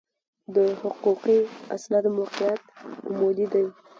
د حقوقي اسنادو موقعیت عمودي دی.